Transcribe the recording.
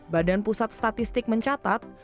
badan pusat statistik mencatat